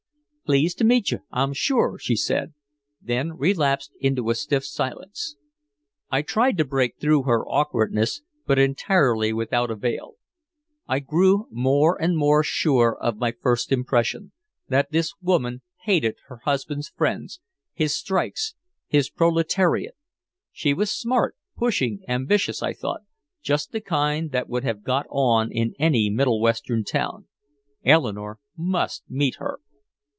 "Pleased to meet you, I'm sure," she said, then relapsed into a stiff silence. I tried to break through her awkwardness but entirely without avail. I grew more and more sure of my first impression, that this woman hated her husband's friends, his strikes, his "proletariate." She was smart, pushing, ambitious, I thought, just the kind that would have got on in any middle western town. Eleanore must meet her.